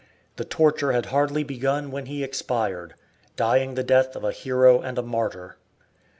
The torture had hardly begun when he expired, dying the death of a hero and a martyr.